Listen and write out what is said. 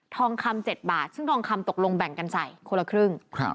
ทองคำ๗บาทซึ่งทองคำตกลงแบ่งกันใส่คนละครึ่ง